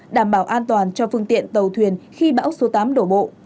đảm bảo an toàn cho phương tiện tàu thuyền khi bão số tám đổ bộ